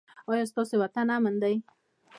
ایا ستاسو وطن امن دی؟